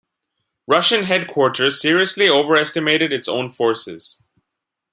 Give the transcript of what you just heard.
Russian headquarters seriously overestimated its own forces.